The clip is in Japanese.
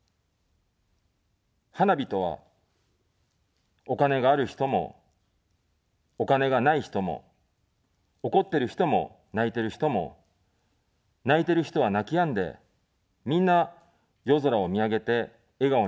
花火とは、お金がある人も、お金がない人も、怒ってる人も、泣いてる人も、泣いてる人は泣きやんで、みんな、夜空を見上げて、笑顔になります。